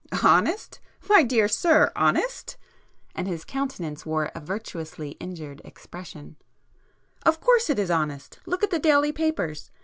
"Honest? My dear sir! Honest?" And his countenance wore a virtuously injured expression—"Of course it is honest! Look at the daily papers!